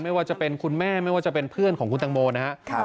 ไม่ว่าจะเป็นคุณแม่ไม่ว่าจะเป็นเพื่อนของคุณตังโมนะครับ